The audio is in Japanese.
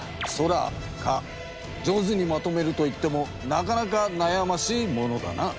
上手にまとめるといってもなかなかなやましいものだな。